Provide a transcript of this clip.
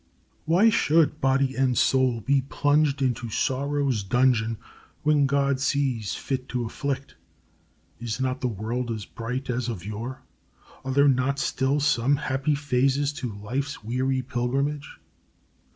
Why should body and soul be plunged into sorrow's dungeon when God sees fit to afflict? Is not the world as bright as of yore? Are there not still some happy phases to life's weary pilgrimage?